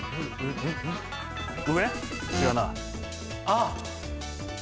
あっ！